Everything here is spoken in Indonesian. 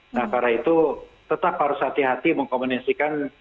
nah karena itu tetap harus hati hati mengkomendasikan